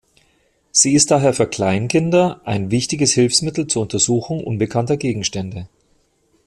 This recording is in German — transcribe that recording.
Sie ist daher für Kleinkinder ein wichtiges Hilfsmittel zur Untersuchung unbekannter Gegenstände.